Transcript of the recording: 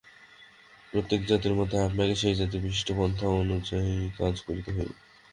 প্রত্যেক জাতির মধ্যে আপনাকে সেই জাতির বিশিষ্ট পন্থা অনুযায়ী কাজ করিতে হইবে।